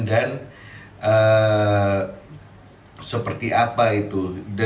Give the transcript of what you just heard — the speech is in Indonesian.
dan seperti apa itu